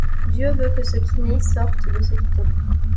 Dieu veut que ce qui naît sorte de ce qui tombe.